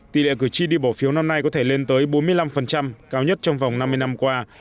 tỷ lệ cử tri đi bỏ phiếu năm nay có thể lên tới bốn mươi năm cao nhất trong vòng năm mươi năm qua